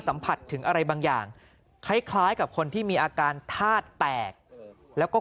สัมผัสถึงอะไรบางอย่างคล้ายกับคนที่มีอาการธาตุแตกแล้วก็